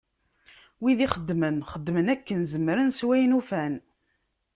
Wid ixeddmen, xeddmen akken zemren s wayen ufan.